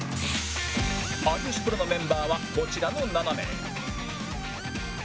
有吉プロのメンバーはこちらの７名